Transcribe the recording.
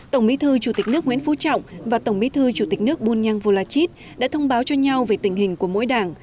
tổng bí thư chủ tịch nước nguyễn phú trọng và tổng bí thư chủ tịch nước bunyang volachit đã thông báo cho nhau về tình hình của mỗi đảng